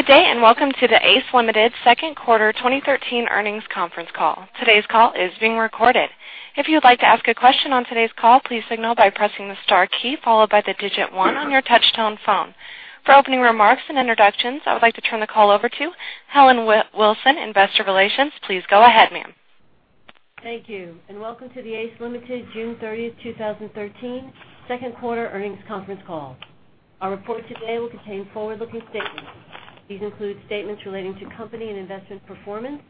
Good day, and welcome to the ACE Limited second quarter 2013 earnings conference call. Today's call is being recorded. If you'd like to ask a question on today's call, please signal by pressing the star key, followed by the digit 1 on your touch-tone phone. For opening remarks and introductions, I would like to turn the call over to Helen Wilson, investor relations. Please go ahead, ma'am. Thank you, and welcome to the ACE Limited June 30th, 2013 second quarter earnings conference call. Our report today will contain forward-looking statements. These include statements relating to company and investment performance,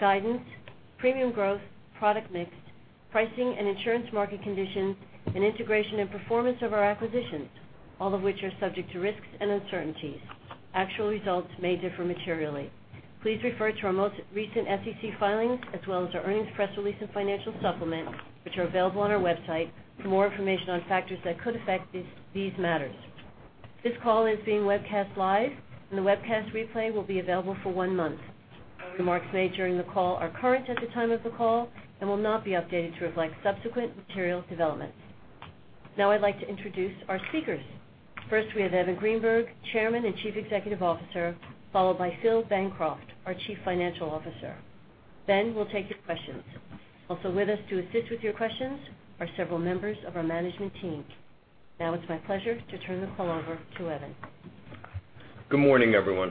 guidance, premium growth, product mix, pricing, and insurance market conditions, and integration and performance of our acquisitions, all of which are subject to risks and uncertainties. Actual results may differ materially. Please refer to our most recent SEC filings, as well as our earnings press release and financial supplement, which are available on our website for more information on factors that could affect these matters. This call is being webcast live, and the webcast replay will be available for one month. Remarks made during the call are current at the time of the call and will not be updated to reflect subsequent material developments. Now I'd like to introduce our speakers. First, we have Evan Greenberg, Chairman and Chief Executive Officer, followed by Philip Bancroft, our Chief Financial Officer. We'll take your questions. Also with us to assist with your questions are several members of our management team. Now it's my pleasure to turn the call over to Evan. Good morning, everyone.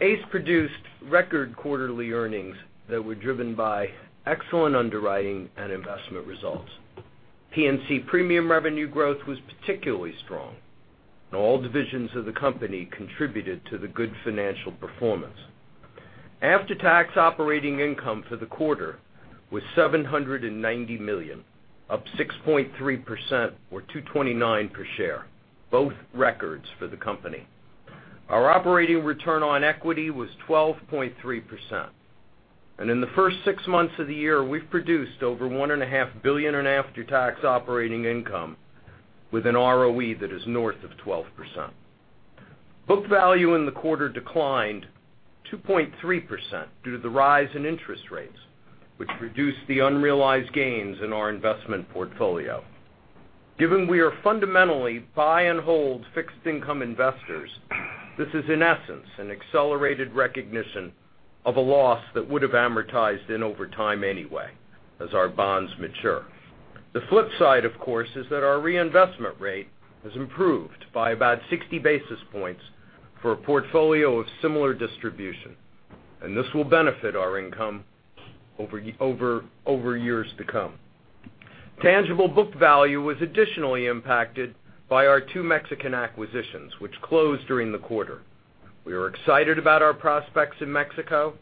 ACE produced record quarterly earnings that were driven by excellent underwriting and investment results. P&C premium revenue growth was particularly strong, and all divisions of the company contributed to the good financial performance. After-tax operating income for the quarter was $790 million, up 6.3%, or $229 per share, both records for the company. Our operating return on equity was 12.3%, and in the first six months of the year, we've produced over $1.5 billion in after-tax operating income with an ROE that is north of 12%. Book value in the quarter declined 2.3% due to the rise in interest rates, which reduced the unrealized gains in our investment portfolio. Given we are fundamentally buy-and-hold fixed income investors, this is in essence an accelerated recognition of a loss that would have amortized in over time anyway as our bonds mature. The flip side, of course, is that our reinvestment rate has improved by about 60 basis points for a portfolio of similar distribution, and this will benefit our income over years to come. Tangible book value was additionally impacted by our two Mexican acquisitions, which closed during the quarter. We are excited about our prospects in Mexico,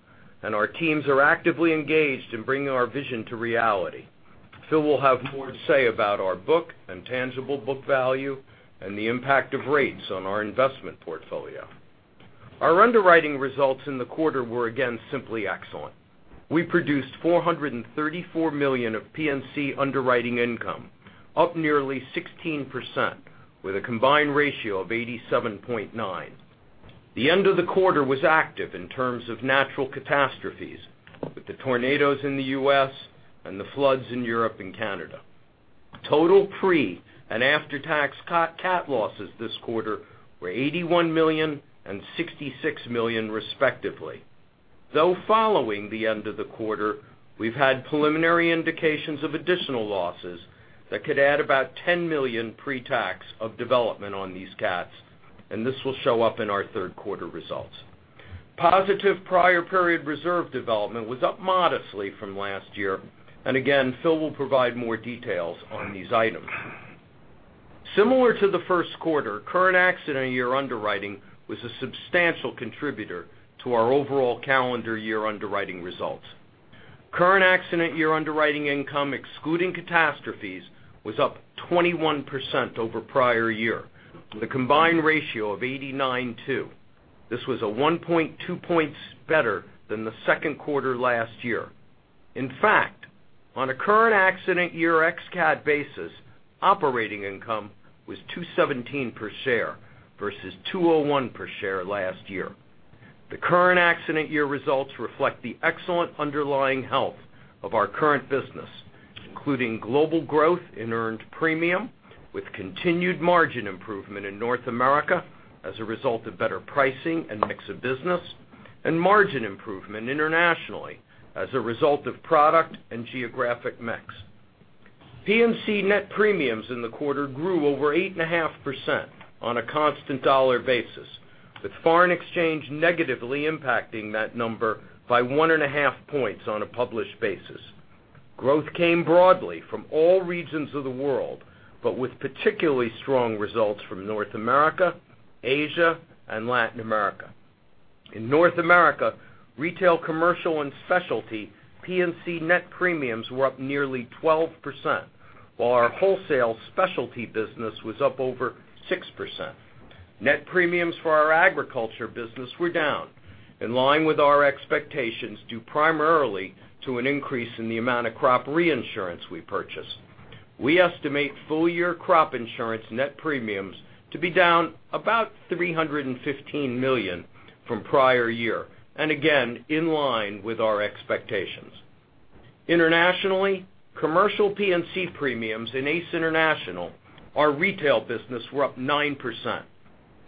and our teams are actively engaged in bringing our vision to reality. Phil will have more to say about our book and tangible book value and the impact of rates on our investment portfolio. Our underwriting results in the quarter were again simply excellent. We produced $434 million of P&C underwriting income, up nearly 16%, with a combined ratio of 87.9. The end of the quarter was active in terms of natural catastrophes with the tornadoes in the U.S. and the floods in Europe and Canada. Total pre- and after-tax cat losses this quarter were $81 million and $66 million respectively. Following the end of the quarter, we've had preliminary indications of additional losses that could add about $10 million pre-tax of development on these cats, and this will show up in our third quarter results. Positive prior period reserve development was up modestly from last year. Again, Phil will provide more details on these items. Similar to the first quarter, current accident year underwriting was a substantial contributor to our overall calendar year underwriting results. Current accident year underwriting income, excluding catastrophes, was up 21% over prior year with a combined ratio of 89.2. This was 1.2 points better than the second quarter last year. In fact, on a current accident year ex-cat basis, operating income was $217 per share versus $201 per share last year. The current accident year results reflect the excellent underlying health of our current business, including global growth in earned premium, with continued margin improvement in North America as a result of better pricing and mix of business, and margin improvement internationally as a result of product and geographic mix. P&C net premiums in the quarter grew over 8.5% on a constant dollar basis, with foreign exchange negatively impacting that number by 1.5 points on a published basis. Growth came broadly from all regions of the world, with particularly strong results from North America, Asia, and Latin America. In North America, retail, commercial, and specialty P&C net premiums were up nearly 12%, while our wholesale specialty business was up over 6%. Net premiums for our agriculture business were down, in line with our expectations, due primarily to an increase in the amount of crop reinsurance we purchased. We estimate full-year crop insurance net premiums to be down about $315 million from prior year. Again, in line with our expectations. Internationally, commercial P&C premiums in ACE International, our retail business, were up 9%.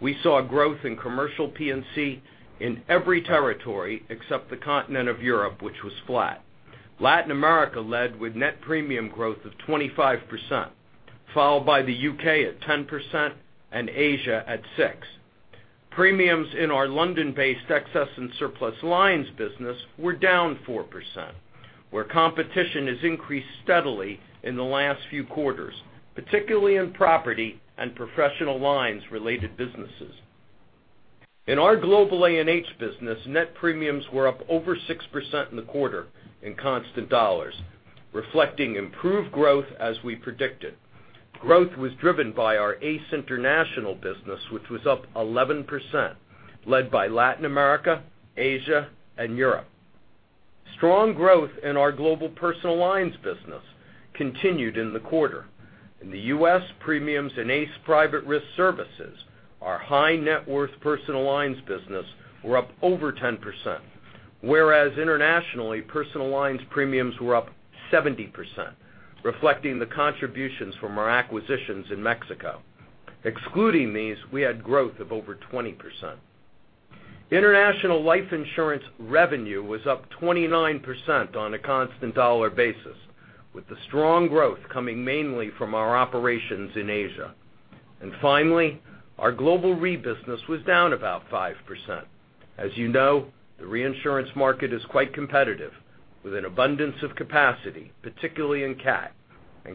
We saw growth in commercial P&C in every territory except the continent of Europe, which was flat. Latin America led with net premium growth of 25%, followed by the U.K. at 10% and Asia at 6%. Premiums in our London-based excess and surplus lines business were down 4%, where competition has increased steadily in the last few quarters, particularly in property and professional lines related businesses. In our global A&H business, net premiums were up over 6% in the quarter in constant dollars, reflecting improved growth as we predicted. Growth was driven by our ACE International business, which was up 11%, led by Latin America, Asia, and Europe. Strong growth in our global personal lines business continued in the quarter. In the U.S., premiums in ACE Private Risk Services, our high net worth personal lines business, were up over 10%, whereas internationally, personal lines premiums were up 70%, reflecting the contributions from our acquisitions in Mexico. Excluding these, we had growth of over 20%. International life insurance revenue was up 29% on a constant dollar basis, with the strong growth coming mainly from our operations in Asia. Finally, our global re-business was down about 5%. As you know, the reinsurance market is quite competitive, with an abundance of capacity, particularly in cat.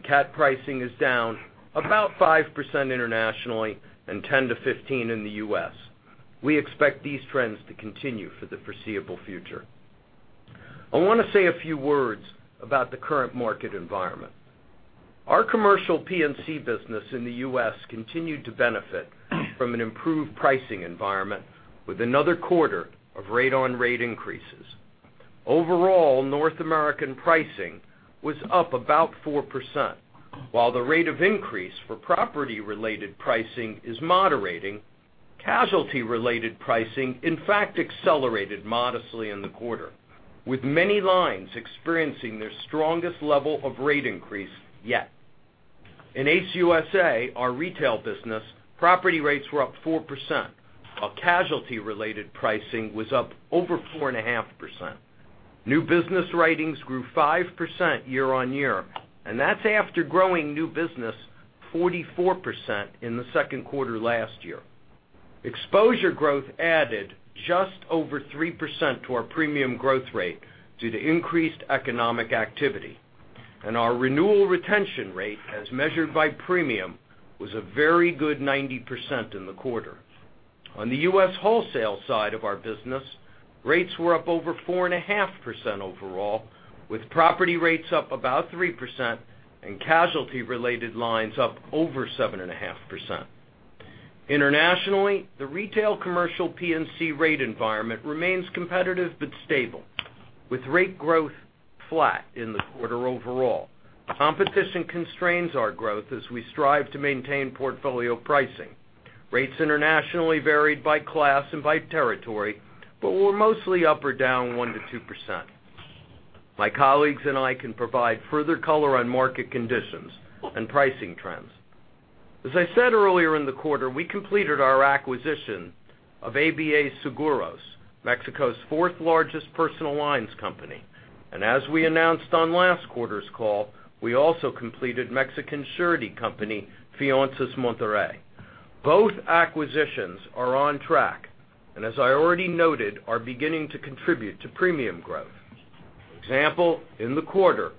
Cat pricing is down about 5% internationally and 10%-15% in the U.S. We expect these trends to continue for the foreseeable future. I want to say a few words about the current market environment. Our commercial P&C business in the U.S. continued to benefit from an improved pricing environment with another quarter of rate on rate increases. Overall, North American pricing was up about 4%. While the rate of increase for property related pricing is moderating, casualty related pricing, in fact, accelerated modestly in the quarter, with many lines experiencing their strongest level of rate increase yet. In ACE USA, our retail business, property rates were up 4%, while casualty related pricing was up over 4.5%. New business writings grew 5% year-on-year. That's after growing new business 44% in the second quarter last year. Exposure growth added just over 3% to our premium growth rate due to increased economic activity. Our renewal retention rate, as measured by premium, was a very good 90% in the quarter. On the U.S. wholesale side of our business, rates were up over 4.5% overall, with property rates up about 3% and casualty related lines up over 7.5%. Internationally, the retail commercial P&C rate environment remains competitive but stable, with rate growth flat in the quarter overall. Competition constrains our growth as we strive to maintain portfolio pricing. Rates internationally varied by class and by territory, but were mostly up or down 1%-2%. My colleagues and I can provide further color on market conditions and pricing trends. As I said earlier in the quarter, we completed our acquisition of ABA Seguros, Mexico's fourth largest personal lines company. As we announced on last quarter's call, we also completed Mexican surety company, Fianzas Monterrey. Both acquisitions are on track and as I already noted, are beginning to contribute to premium growth. For example, in the quarter,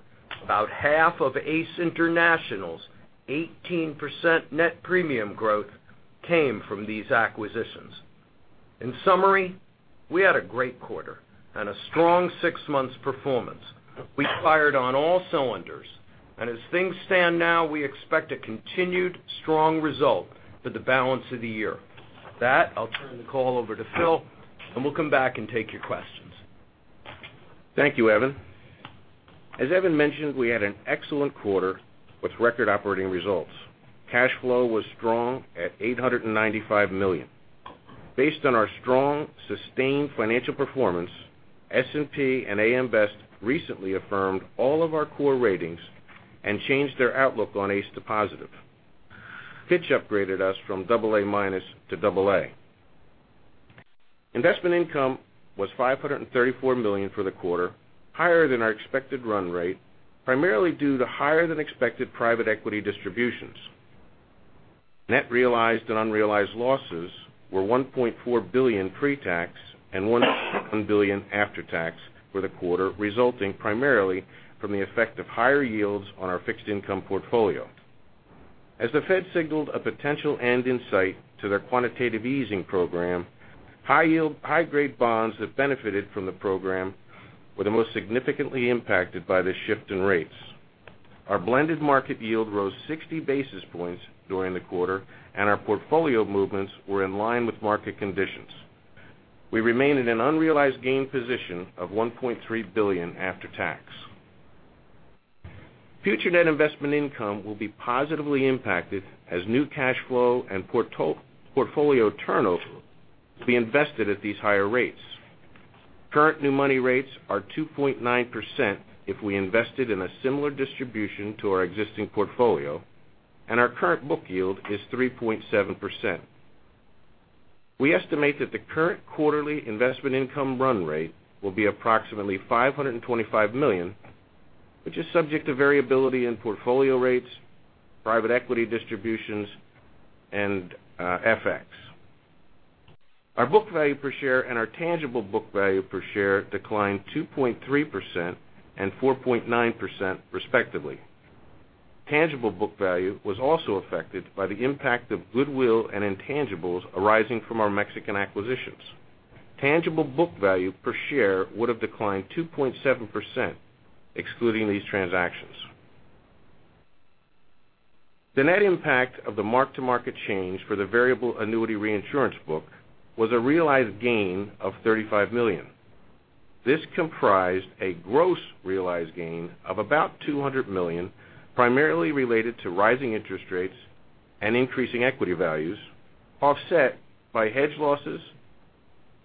about half of ACE International's 18% net premium growth came from these acquisitions. In summary, we had a great quarter and a strong 6 months performance. We fired on all cylinders. As things stand now, we expect a continued strong result for the balance of the year. With that, I'll turn the call over to Phil. We'll come back and take your questions. Thank you, Evan. As Evan mentioned, we had an excellent quarter with record operating results. Cash flow was strong at $895 million. Based on our strong, sustained financial performance, S&P and AM Best recently affirmed all of our core ratings and changed their outlook on ACE to positive. Fitch upgraded us from double A minus to double A. Investment income was $534 million for the quarter, higher than our expected run rate, primarily due to higher than expected private equity distributions. Net realized and unrealized losses were $1.4 billion pre-tax, and $1.1 billion after tax for the quarter, resulting primarily from the effect of higher yields on our fixed income portfolio. As the Fed signaled a potential end in sight to their quantitative easing program, high grade bonds that benefited from the program were the most significantly impacted by this shift in rates. Our blended market yield rose 60 basis points during the quarter, and our portfolio movements were in line with market conditions. We remain in an unrealized gain position of $1.3 billion after tax. Future net investment income will be positively impacted as new cash flow and portfolio turnover will be invested at these higher rates. Current new money rates are 2.9% if we invested in a similar distribution to our existing portfolio, and our current book yield is 3.7%. We estimate that the current quarterly investment income run rate will be approximately $525 million, which is subject to variability in portfolio rates, private equity distributions, and FX. Our book value per share and our tangible book value per share declined 2.3% and 4.9% respectively. Tangible book value was also affected by the impact of goodwill and intangibles arising from our Mexican acquisitions. Tangible book value per share would have declined 2.7%, excluding these transactions. The net impact of the mark-to-market change for the VA reinsurance book was a realized gain of $35 million. This comprised a gross realized gain of about $200 million, primarily related to rising interest rates and increasing equity values, offset by hedge losses,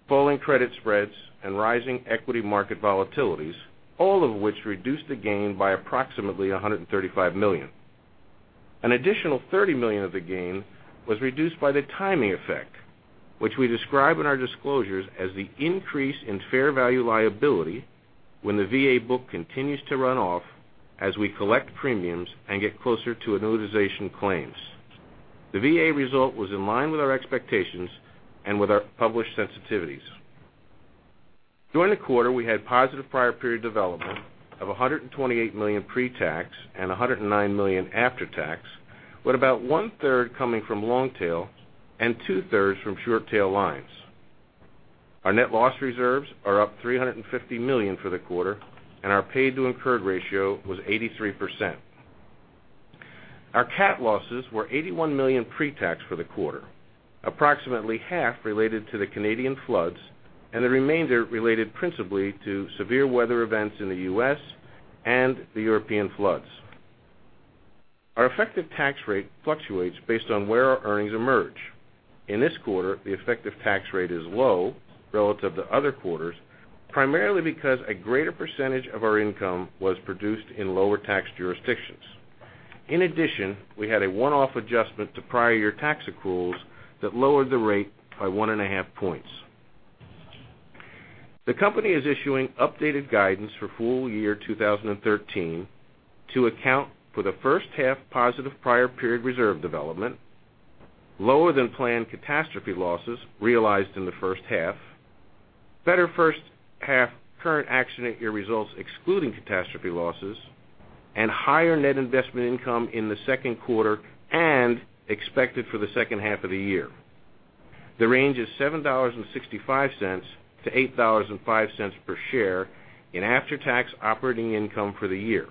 falling credit spreads, and rising equity market volatilities, all of which reduced the gain by approximately $135 million. An additional $30 million of the gain was reduced by the timing effect, which we describe in our disclosures as the increase in fair value liability when the VA book continues to run off as we collect premiums and get closer to annuitization claims. The VA result was in line with our expectations and with our published sensitivities. During the quarter, we had positive prior period development of $128 million pre-tax and $109 million after-tax, with about one-third coming from long tail and two-thirds from short tail lines. Our net loss reserves are up $350 million for the quarter, and our paid to incurred ratio was 83%. Our cat losses were $81 million pre-tax for the quarter, approximately half related to the Canadian floods and the remainder related principally to severe weather events in the U.S. and the European floods. Our effective tax rate fluctuates based on where our earnings emerge. In this quarter, the effective tax rate is low relative to other quarters, primarily because a greater percentage of our income was produced in lower tax jurisdictions. In addition, we had a one-off adjustment to prior year tax accruals that lowered the rate by one and a half points. The company is issuing updated guidance for full year 2013 to account for the first half positive prior period reserve development, lower than planned catastrophe losses realized in the first half, better first half current accident year results excluding catastrophe losses, and higher net investment income in the second quarter and expected for the second half of the year. The range is $7.65 to $8.05 per share in after-tax operating income for the year.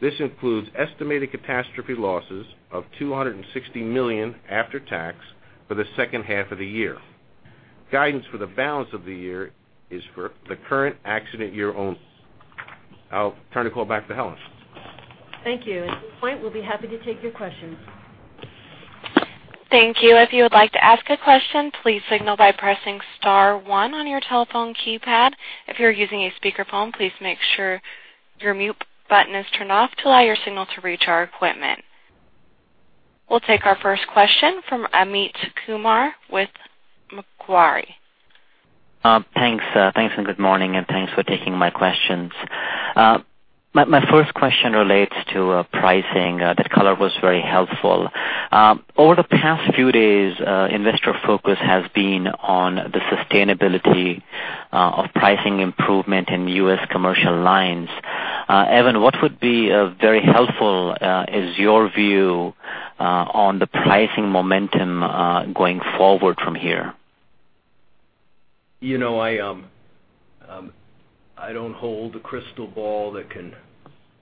This includes estimated catastrophe losses of $260 million after tax for the second half of the year. Guidance for the balance of the year is for the current accident year only. I'll turn the call back to Helen. Thank you. At this point, we'll be happy to take your questions. Thank you. If you would like to ask a question, please signal by pressing *1 on your telephone keypad. If you're using a speakerphone, please make sure your mute button is turned off to allow your signal to reach our equipment. We'll take our first question from Amit Kumar with Macquarie. Thanks. Good morning, and thanks for taking my questions. My first question relates to pricing. That color was very helpful. Over the past few days, investor focus has been on the sustainability of pricing improvement in U.S. commercial lines. Evan, what would be very helpful is your view on the pricing momentum going forward from here. I don't hold a crystal ball that can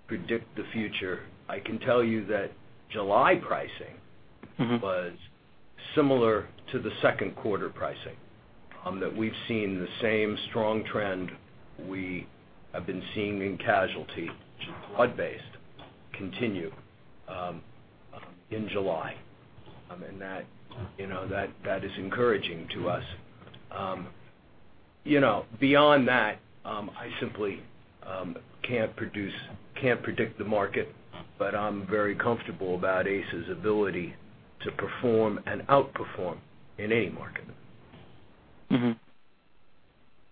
predict the future. I can tell you that July pricing was similar to the second quarter pricing, that we've seen the same strong trend we have been seeing in casualty, which is broad-based, continue in July. That is encouraging to us. Beyond that, I simply can't predict the market, but I'm very comfortable about ACE's ability to perform and outperform in any market. Mm-hmm.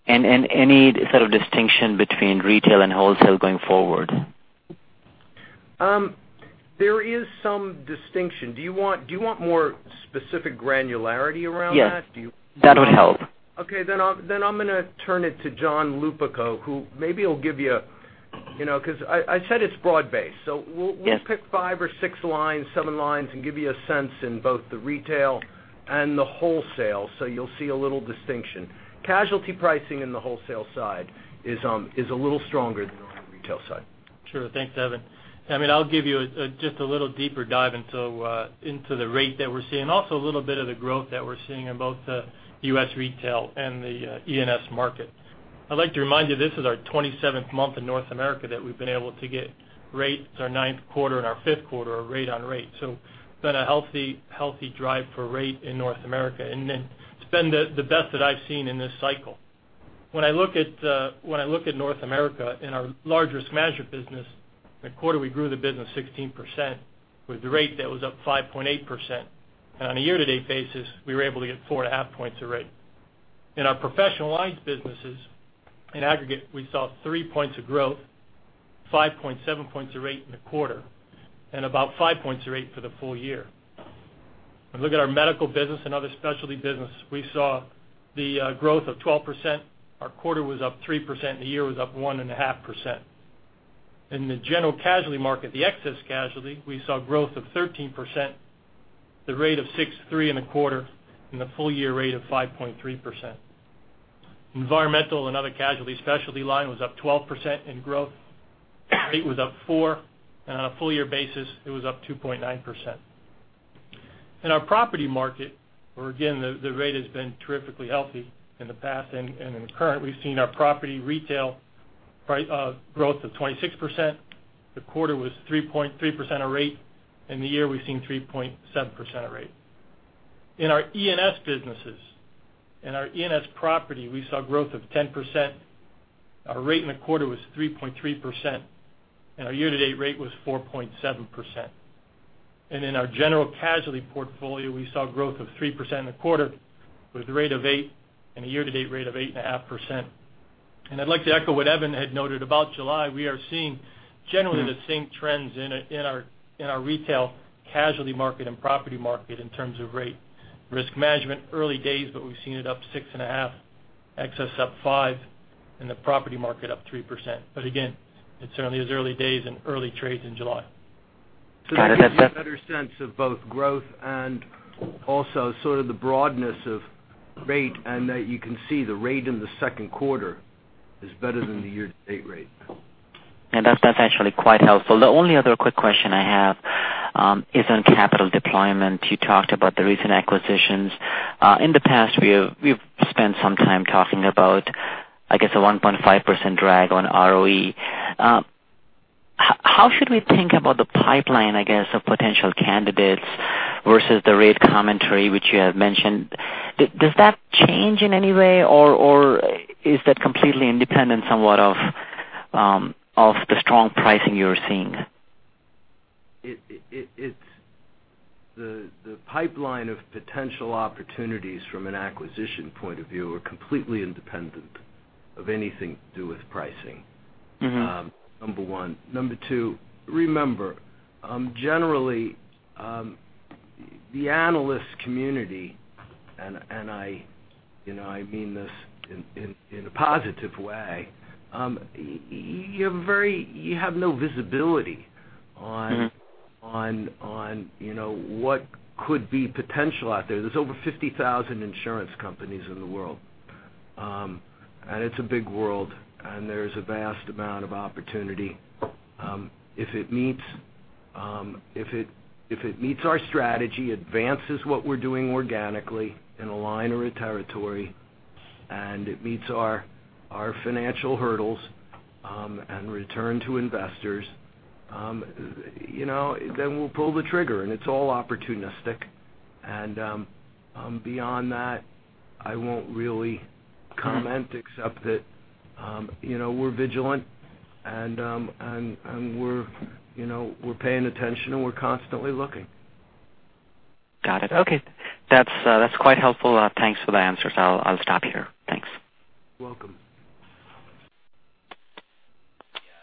Any sort of distinction between retail and wholesale going forward? There is some distinction. Do you want more specific granularity around that? Yes. That would help. Okay. I'm going to turn it to John Lupica, who maybe will give you-- because I said it's broad based, so we'll- Yes pick five or six lines, seven lines, and give you a sense in both the retail and the wholesale, so you'll see a little distinction. Casualty pricing in the wholesale side is a little stronger than on the retail side. Sure. Thanks, Evan. Amit, I'll give you just a little deeper dive into the rate that we're seeing, also a little bit of the growth that we're seeing in both the U.S. retail and the E&S market. I'd like to remind you, this is our 27th month in North America that we've been able to get rates our ninth quarter and our fifth quarter of rate on rate. It's been a healthy drive for rate in North America, and it's been the best that I've seen in this cycle. When I look at North America in our largest management business, that quarter we grew the business 16%, with the rate that was up 5.8%. On a year-to-date basis, we were able to get four and a half points of rate. In our professional lines businesses, in aggregate, we saw three points of growth, 5.7 points of rate in the quarter, and about five points of rate for the full year. When we look at our medical business and other specialty business, we saw the growth of 12%. Our quarter was up 3%, and the year was up 1.5%. In the general casualty market, the excess casualty, we saw growth of 13%, the rate of 6.3% in the quarter, and the full-year rate of 5.3%. Environmental and other casualty specialty line was up 12% in growth. Rate was up four, and on a full year basis, it was up 2.9%. In our property market, where again, the rate has been terrifically healthy in the past and in the current, we've seen our property retail growth of 26%. The quarter was 3.3% of rate. In the year we've seen 3.7% of rate. In our E&S businesses, in our E&S property, we saw growth of 10%. Our rate in the quarter was 3.3%, and our year-to-date rate was 4.7%. In our general casualty portfolio, we saw growth of 3% in the quarter with a rate of 8 and a year-to-date rate of 8.5%. I'd like to echo what Evan had noted about July. We are seeing generally the same trends in our retail casualty market and property market in terms of rate. Risk management, early days, but we've seen it up 6.5%, excess up 5%, and the property market up 3%. Again, it certainly is early days and early trades in July. Got it. That gives you a better sense of both growth and also sort of the broadness of rate, and that you can see the rate in the second quarter is better than the year-to-date rate. That's actually quite helpful. The only other quick question I have is on capital deployment. You talked about the recent acquisitions. In the past, we've spent some time talking about, I guess, a 1.5% drag on ROE. How should we think about the pipeline, I guess, of potential candidates versus the rate commentary, which you have mentioned? Does that change in any way, or is that completely independent somewhat of the strong pricing you're seeing? The pipeline of potential opportunities from an acquisition point of view are completely independent of anything to do with pricing. Number one. Number two, remember, generally, the analyst community, and I mean this in a positive way, you have no visibility on- What could be potential out there. There's over 50,000 insurance companies in the world. It's a big world, and there's a vast amount of opportunity. If it meets our strategy, advances what we're doing organically in a line or a territory, and it meets our financial hurdles, and return to investors, then we'll pull the trigger, and it's all opportunistic. Beyond that, I won't really comment except that we're vigilant and we're paying attention, and we're constantly looking. Got it. Okay. That's quite helpful. Thanks for the answers. I'll stop here. Thanks. Welcome.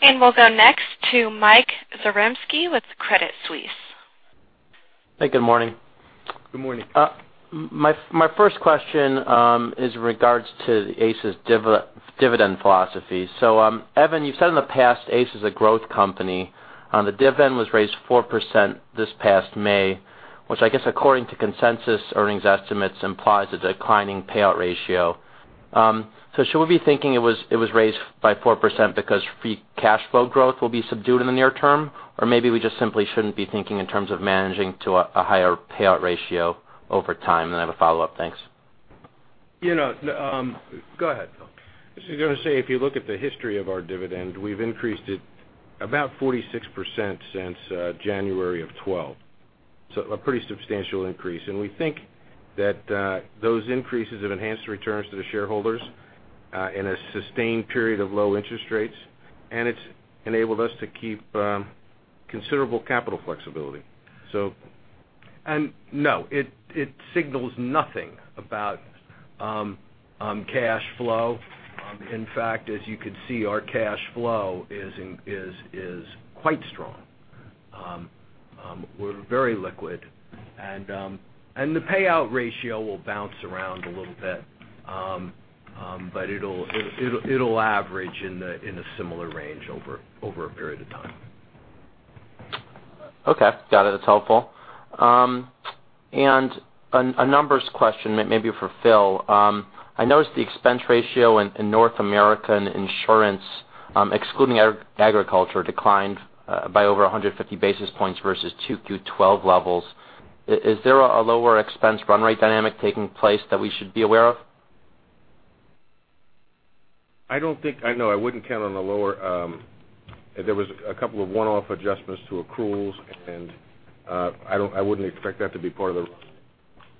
We'll go next to Mike Zaremski with Credit Suisse. Hey, good morning. Good morning. My first question is in regards to ACE's dividend philosophy. Evan, you've said in the past ACE is a growth company. The dividend was raised 4% this past May, which I guess according to consensus earnings estimates implies a declining payout ratio. Should we be thinking it was raised by 4% because free cash flow growth will be subdued in the near term, or maybe we just simply shouldn't be thinking in terms of managing to a higher payout ratio over time? I have a follow-up. Thanks. Go ahead, Phil. I was just going to say, if you look at the history of our dividend, we've increased it about 46% since January of 2012. A pretty substantial increase. We think that those increases have enhanced returns to the shareholders in a sustained period of low interest rates, and it's enabled us to keep considerable capital flexibility. No, it signals nothing about cash flow. In fact, as you could see, our cash flow is quite strong. We're very liquid. The payout ratio will bounce around a little bit. It'll average in a similar range over a period of time. Okay. Got it. That's helpful. A numbers question, maybe for Phil. I noticed the expense ratio in North American insurance excluding agriculture declined by over 150 basis points versus 2Q 2012 levels. Is there a lower expense run rate dynamic taking place that we should be aware of? I wouldn't count on the lower. There was a couple of one-off adjustments to accruals, and I wouldn't expect that to be part of the run.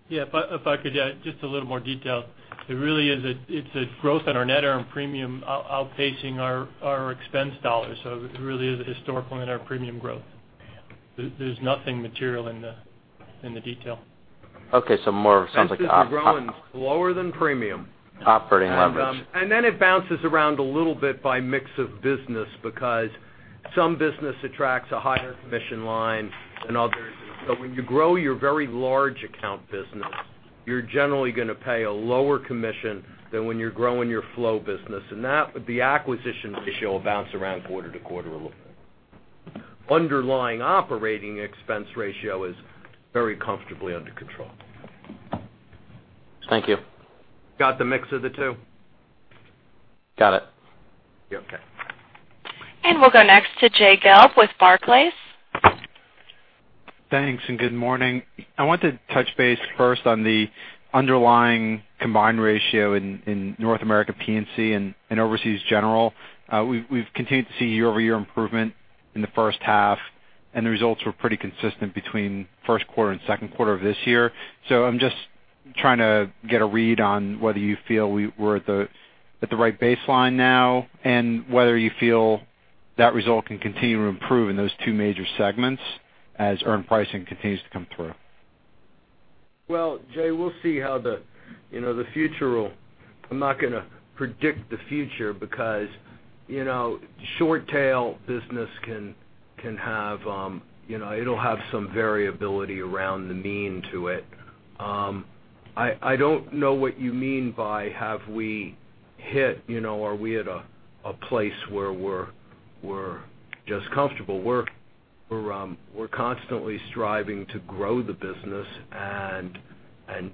If I could add just a little more detail. It really is, it's the growth in our net earned premium outpacing our expense dollars. It really is historical in our premium growth. There's nothing material in the detail. Okay. Expenses are growing lower than premium. Operating leverage. Then it bounces around a little bit by mix of business because some business attracts a higher commission line than others. So when you grow your very large account business, you're generally going to pay a lower commission than when you're growing your flow business. The acquisition ratio will bounce around quarter-to-quarter a little bit. Underlying operating expense ratio is very comfortably under control. Thank you. Got the mix of the two? Got it. Okay. We'll go next to Jay Gelb with Barclays. Thanks. Good morning. I want to touch base first on the underlying combined ratio in North America P&C and overseas general. We've continued to see year-over-year improvement in the first half, and the results were pretty consistent between first quarter and second quarter of this year. I'm just trying to get a read on whether you feel we were at the right baseline now, and whether you feel that result can continue to improve in those two major segments as earned pricing continues to come through. Well, Jay, we'll see how the future. I'm not going to predict the future because short tail business, it'll have some variability around the mean to it. I don't know what you mean by Are we at a place where we're just comfortable. We're constantly striving to grow the business and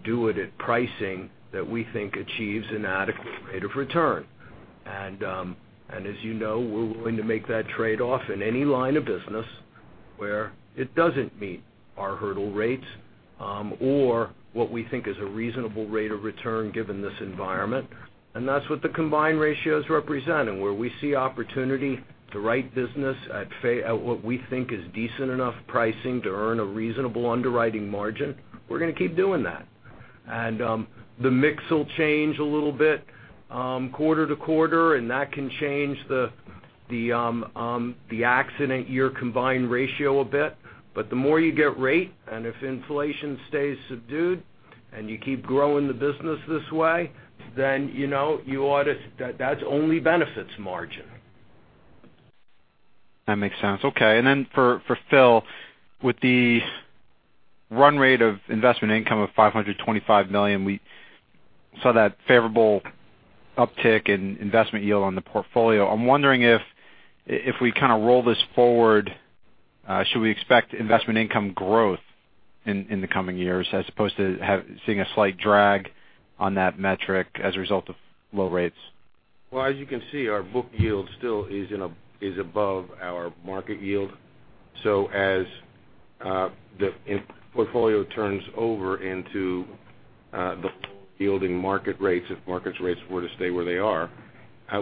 do it at pricing that we think achieves an adequate rate of return. As you know, we're willing to make that trade-off in any line of business where it doesn't meet our hurdle rates, or what we think is a reasonable rate of return given this environment, and that's what the combined ratios represent. Where we see opportunity, the right business at what we think is decent enough pricing to earn a reasonable underwriting margin, we're going to keep doing that. The mix will change a little bit quarter to quarter, and that can change the accident year combined ratio a bit. The more you get rate, and if inflation stays subdued and you keep growing the business this way, that's only benefits margin. That makes sense. Okay. Then for Phil, with the run rate of investment income of $525 million, we saw that favorable uptick in investment yield on the portfolio. I'm wondering if we kind of roll this forward, should we expect investment income growth in the coming years as opposed to seeing a slight drag on that metric as a result of low rates? Well, as you can see, our book yield still is above our market yield. As the portfolio turns over into the yielding market rates, if markets rates were to stay where they are,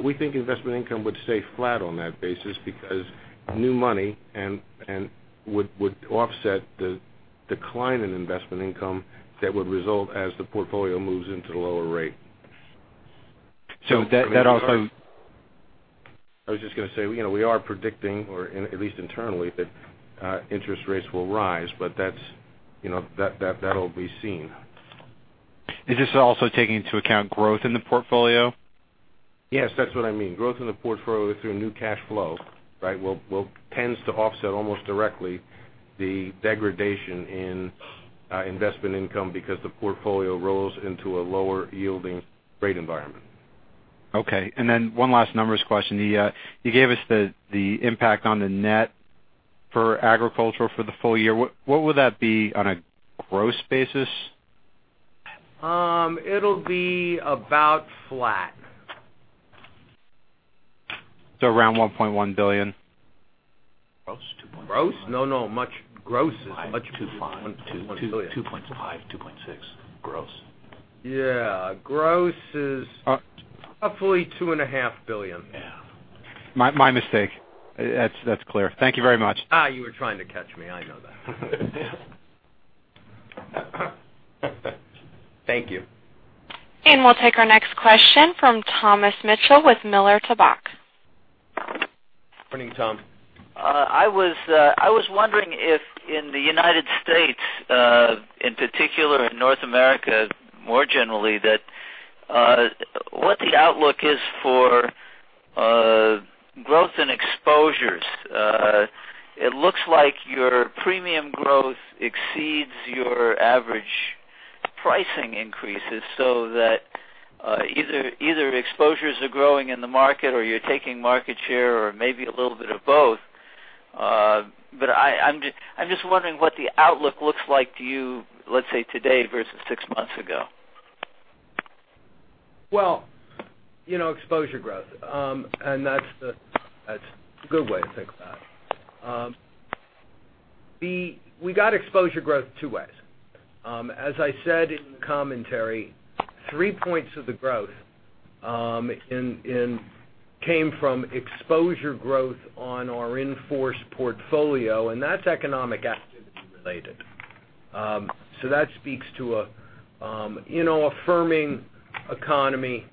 we think investment income would stay flat on that basis because new money would offset the decline in investment income that would result as the portfolio moves into the lower rate. So that also- I was just going to say, we are predicting, or at least internally, that interest rates will rise, but that'll be seen. Is this also taking into account growth in the portfolio? Yes. That's what I mean. Growth in the portfolio through new cash flow, right, tends to offset almost directly the degradation in investment income because the portfolio rolls into a lower yielding rate environment. Okay. One last numbers question. You gave us the impact on the net for agriculture for the full year. What would that be on a gross basis? It'll be about flat. around $1.1 billion. Gross. Gross? No, much. Gross is much. $2.5. $2.5, $2.6 gross. Yeah. Gross is roughly $2.5 billion. Yeah. My mistake. That's clear. Thank you very much. You were trying to catch me. I know that. Thank you. We'll take our next question from Tom Mitchell with Miller Tabak. Morning, Tom. I was wondering if in the United States, in particular in North America more generally, what the outlook is for growth and exposures. It looks like your premium growth exceeds your average pricing increases so that either exposures are growing in the market or you're taking market share or maybe a little bit of both. I'm just wondering what the outlook looks like to you, let's say today versus six months ago. Well, exposure growth, that's a good way to think about it. We got exposure growth two ways. As I said in the commentary, three points of the growth came from exposure growth on our in-force portfolio, that's economic activity related. That speaks to affirming economy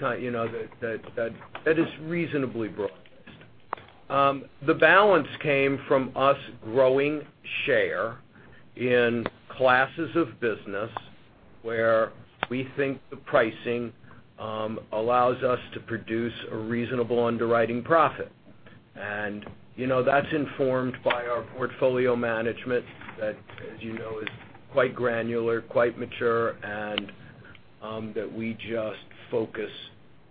that is reasonably broad-based. The balance came from us growing share in classes of business where we think the pricing allows us to produce a reasonable underwriting profit. That's informed by our portfolio management that, as you know, is quite granular, quite mature, that we just focus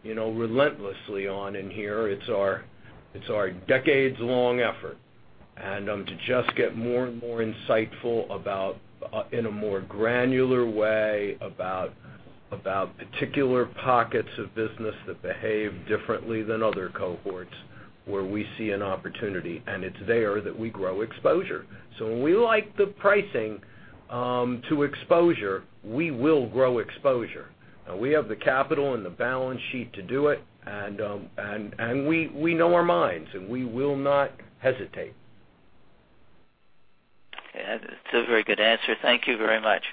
relentlessly on in here. It's our decades-long effort. To just get more and more insightful in a more granular way about particular pockets of business that behave differently than other cohorts, where we see an opportunity, and it's there that we grow exposure. When we like the pricing to exposure, we will grow exposure. We have the capital and the balance sheet to do it, we know our minds, we will not hesitate. Okay. That's a very good answer. Thank you very much.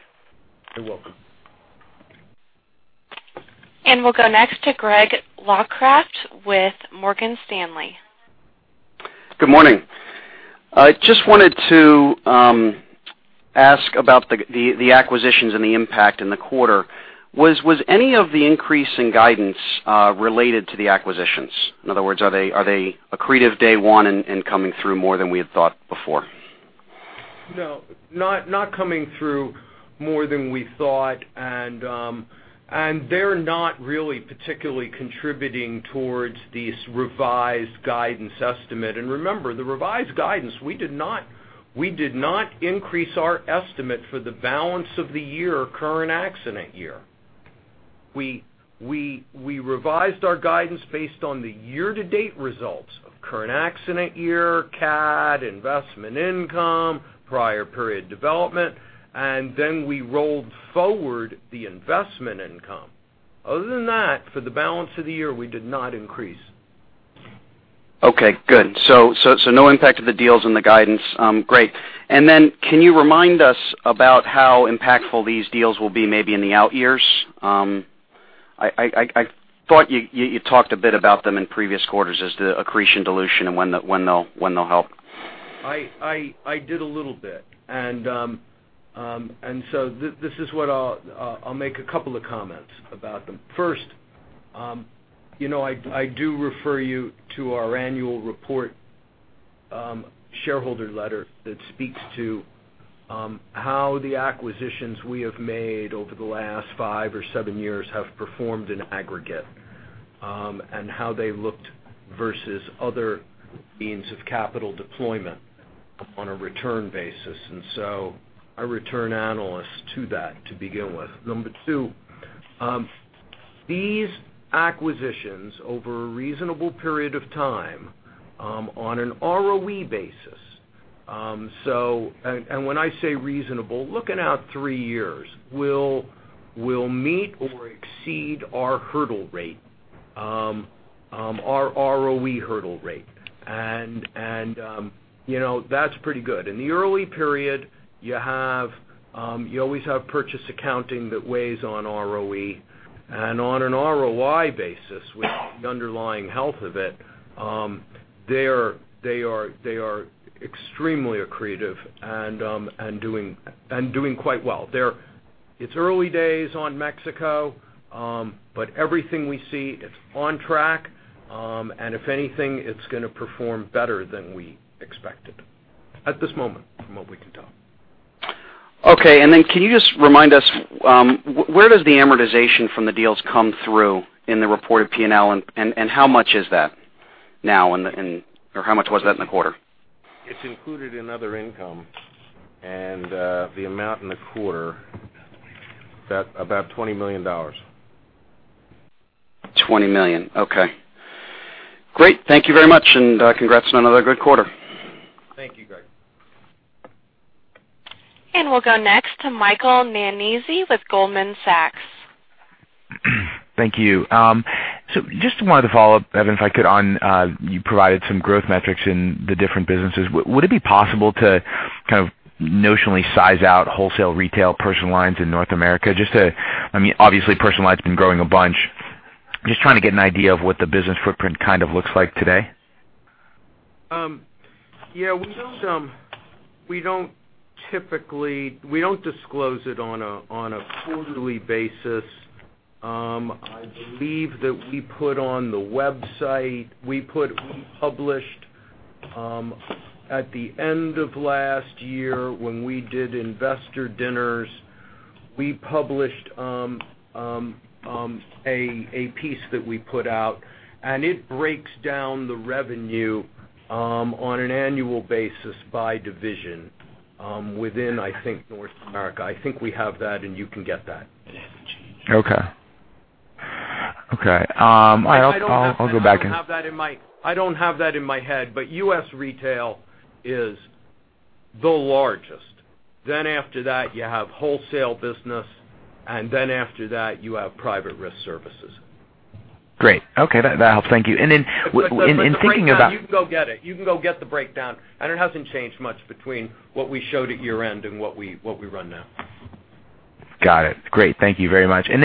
You're welcome. We'll go next to Greg Locraft with Morgan Stanley. Good morning. Just wanted to ask about the acquisitions and the impact in the quarter. Was any of the increase in guidance related to the acquisitions? In other words, are they accretive day one and coming through more than we had thought before? No, not coming through more than we thought. They're not really particularly contributing towards these revised guidance estimate. Remember, the revised guidance, we did not increase our estimate for the balance of the year, current accident year. We revised our guidance based on the year-to-date results of current accident year, cat, investment income, prior period development, and then we rolled forward the investment income. Other than that, for the balance of the year, we did not increase. Okay, good. No impact of the deals on the guidance. Great. Can you remind us about how impactful these deals will be maybe in the out years? I thought you talked a bit about them in previous quarters as the accretion dilution and when they'll help. I did a little bit. This is what I'll make a couple of comments about them. First, I do refer you to our annual report shareholder letter that speaks to how the acquisitions we have made over the last five or seven years have performed in aggregate. How they looked versus other means of capital deployment on a return basis. I return analysts to that to begin with. Number 2, these acquisitions over a reasonable period of time on an ROE basis. When I say reasonable, looking out three years will meet or exceed our hurdle rate, our ROE hurdle rate. That's pretty good. In the early period, you always have purchase accounting that weighs on ROE. On an ROI basis, which is the underlying health of it, they are extremely accretive and doing quite well. It's early days on Mexico, everything we see, it's on track. If anything, it's going to perform better than we expected at this moment, from what we can tell. Okay. Can you just remind us, where does the amortization from the deals come through in the reported P&L, and how much is that now, or how much was that in the quarter? It's included in other income. The amount in the quarter, about $20 million. $20 million. Okay. Great. Thank you very much, and congrats on another good quarter. Thank you, Greg. We'll go next to Michael Nannizzi with Goldman Sachs. Thank you. Just wanted to follow up, Evan, if I could on, you provided some growth metrics in the different businesses. Would it be possible to kind of notionally size out wholesale retail personal lines in North America? Obviously, personal line's been growing a bunch. Just trying to get an idea of what the business footprint kind of looks like today. Yeah. We don't disclose it on a quarterly basis. I believe that we put on the website. We published at the end of last year when we did investor dinners. We published a piece that we put out, and it breaks down the revenue on an annual basis by division within, I think North America. I think we have that, and you can get that. Okay. I'll go back and. I don't have that in my head, but U.S. retail is the largest. After that you have wholesale business, and then after that you have Private Risk Services. Great. Okay. That helps. Thank you. Then in thinking about. You can go get it. You can go get the breakdown. It hasn't changed much between what we showed at year-end and what we run now. Got it. Great. Thank you very much. Then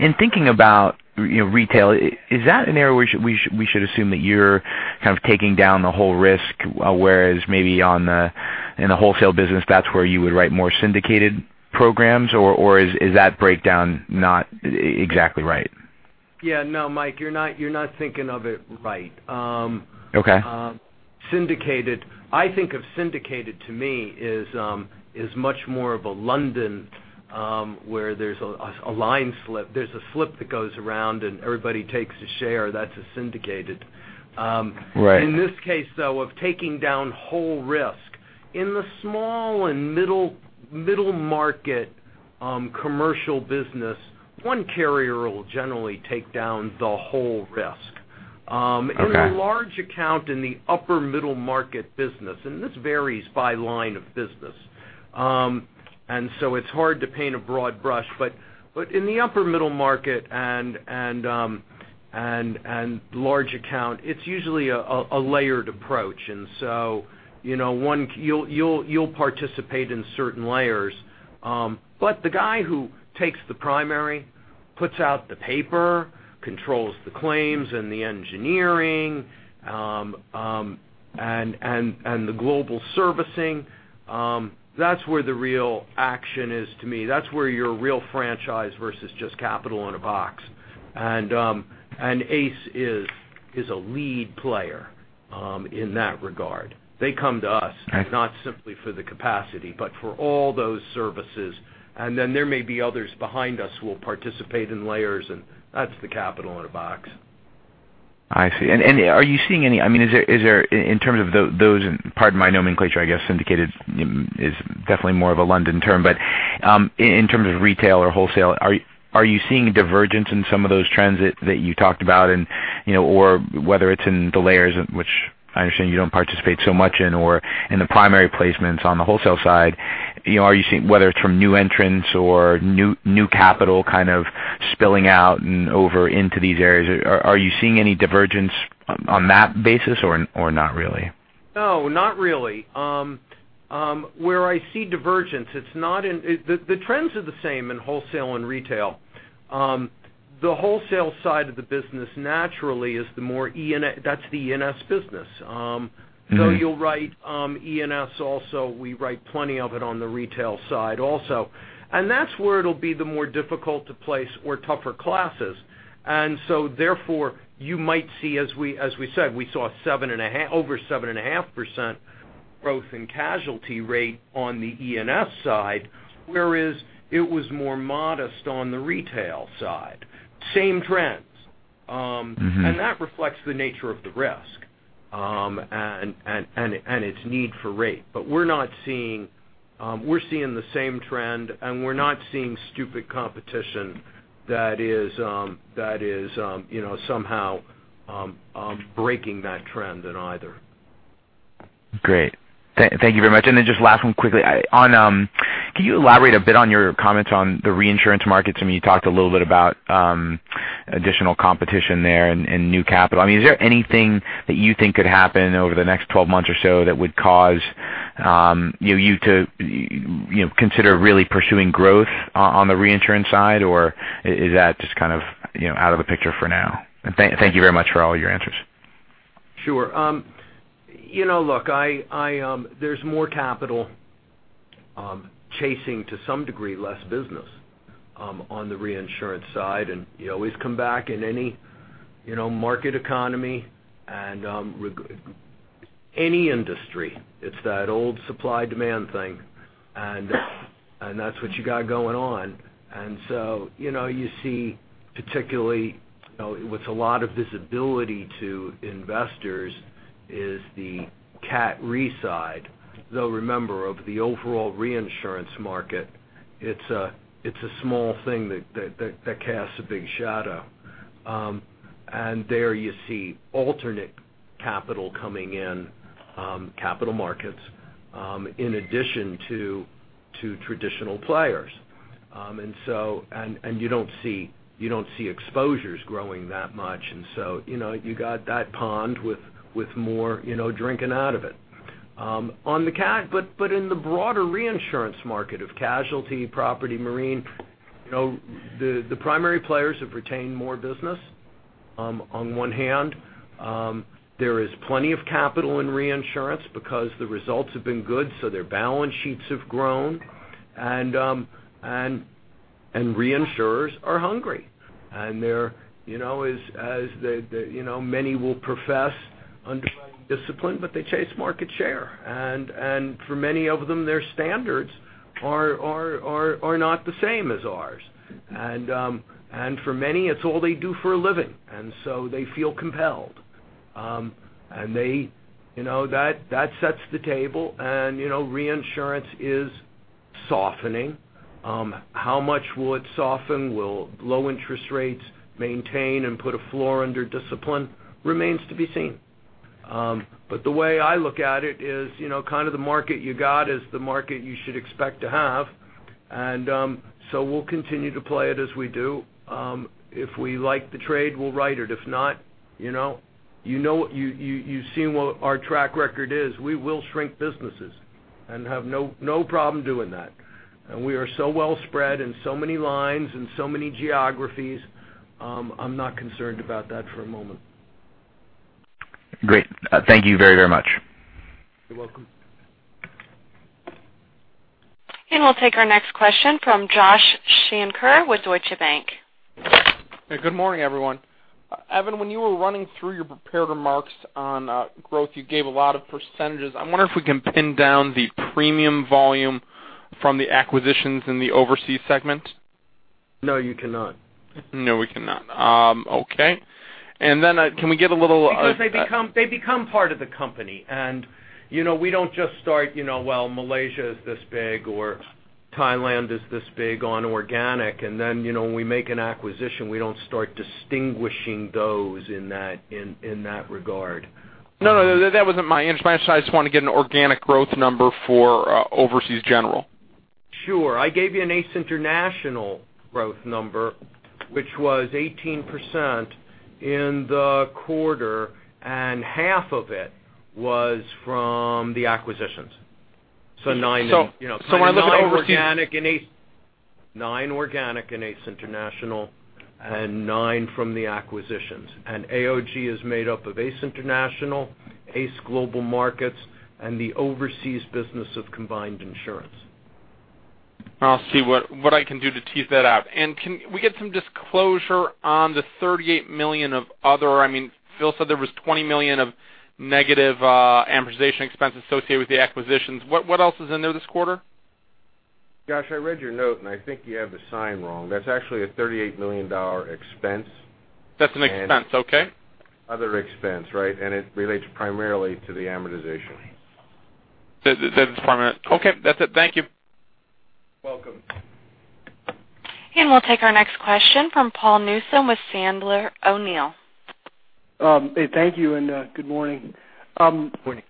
in thinking about retail, is that an area we should assume that you're kind of taking down the whole risk, whereas maybe in the wholesale business, that's where you would write more syndicated programs? Is that breakdown not exactly right? Yeah, no, Mike, you're not thinking of it right. Okay. I think of syndicated to me is much more of a London, where there's a line slip. There's a slip that goes around and everybody takes a share. That's a syndicated. Right. In this case, though, of taking down whole risk. In the small and middle market commercial business, one carrier will generally take down the whole risk. Okay. In the large account, in the upper middle market business, this varies by line of business. It's hard to paint a broad brush, but in the upper middle market and large account, it's usually a layered approach. You'll participate in certain layers. The guy who takes the primary, puts out the paper, controls the claims and the engineering, and the global servicing, that's where the real action is to me. That's where your real franchise versus just capital in a box. ACE is a lead player in that regard. They come to us. Okay They come to us not simply for the capacity, but for all those services. There may be others behind us who will participate in layers, and that's the capital in a box. I see. Are you seeing any, pardon my nomenclature, I guess syndicated is definitely more of a London term, but in terms of retail or wholesale, are you seeing a divergence in some of those trends that you talked about? Whether it's in the layers, which I understand you don't participate so much in, or in the primary placements on the wholesale side, whether it's from new entrants or new capital kind of spilling out and over into these areas. Are you seeing any divergence on that basis or not really? No, not really. Where I see divergence, the trends are the same in wholesale and retail. The wholesale side of the business naturally that's the E&S business. You'll write E&S also. We write plenty of it on the retail side also. That's where it'll be the more difficult to place or tougher classes. Therefore, you might see, as we said, we saw over 7.5% growth in casualty rate on the E&S side, whereas it was more modest on the retail side. Same trends. That reflects the nature of the risk, and its need for rate. We're seeing the same trend, and we're not seeing stupid competition that is somehow breaking that trend in either. Great. Thank you very much. Then just last one quickly. Can you elaborate a bit on your comments on the reinsurance markets? I mean, you talked a little bit about additional competition there and new capital. I mean, is there anything that you think could happen over the next 12 months or so that would cause you to consider really pursuing growth on the reinsurance side, or is that just kind of out of the picture for now? Thank you very much for all your answers. Sure. Look, there's more capital chasing to some degree, less business on the reinsurance side. You always come back in any market economy and any industry. It's that old supply demand thing, and that's what you got going on. You see particularly with a lot of visibility to investors is the cat re side. Though remember, of the overall reinsurance market, it's a small thing that casts a big shadow. There you see alternate capital coming in, capital markets, in addition to traditional players. You don't see exposures growing that much. You got that pond with more drinking out of it. In the broader reinsurance market of casualty, property, marine, the primary players have retained more business. On one hand, there is plenty of capital in reinsurance because the results have been good, so their balance sheets have grown. Reinsurers are hungry, and as many will profess underwriting discipline, but they chase market share. For many of them, their standards are not the same as ours. For many, it's all they do for a living, and so they feel compelled. That sets the table and reinsurance is softening. How much will it soften? Will low interest rates maintain and put a floor under discipline? Remains to be seen. The way I look at it is, kind of the market you got is the market you should expect to have. We'll continue to play it as we do. If we like the trade, we'll write it. If not, you've seen what our track record is. We will shrink businesses and have no problem doing that. We are so well spread in so many lines, in so many geographies, I'm not concerned about that for a moment. Great. Thank you very much. You're welcome. We'll take our next question from Joshua Shanker with Deutsche Bank. Hey, good morning, everyone. Evan, when you were running through your prepared remarks on growth, you gave a lot of percentages. I wonder if we can pin down the premium volume from the acquisitions in the overseas segment. No, you cannot. No, we cannot. Okay. Can we get a little. They become part of the company, we don't just start, "Well, Malaysia is this big," or "Thailand is this big on organic." When we make an acquisition, we don't start distinguishing those in that regard. No, that wasn't my interest. I just want to get an organic growth number for overseas general. Sure. I gave you an ACE International growth number, which was 18% in the quarter, half of it was from the acquisitions. 9% organic in ACE International and 9% from the acquisitions. AOG is made up of ACE International, ACE Global Markets, and the overseas business of Combined Insurance. I'll see what I can do to tease that out. Can we get some disclosure on the $38 million of other? Phil said there was $20 million of negative amortization expense associated with the acquisitions. What else is in there this quarter? Josh, I read your note, I think you have the sign wrong. That's actually a $38 million expense. That's an expense, okay. Other expense, right? It relates primarily to the amortization. Okay. That's it. Thank you. Welcome. We'll take our next question from Paul Newsome with Sandler O'Neill. Hey, thank you, and good morning. Good morning.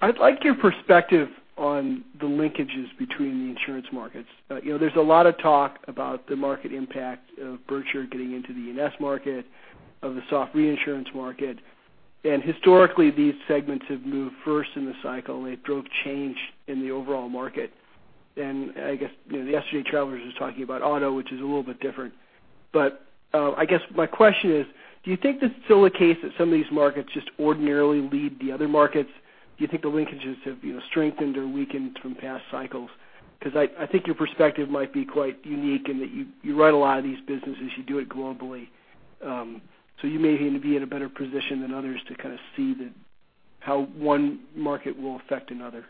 I'd like your perspective on the linkages between the insurance markets. There's a lot of talk about the market impact of Berkshire getting into the E&S market, of the soft reinsurance market. Historically, these segments have moved first in the cycle, and it drove change in the overall market. I guess yesterday Travelers was talking about auto, which is a little bit different. I guess my question is, do you think this is still a case that some of these markets just ordinarily lead the other markets? Do you think the linkages have strengthened or weakened from past cycles? I think your perspective might be quite unique in that you write a lot of these businesses, you do it globally. You may be in a better position than others to kind of see how one market will affect another.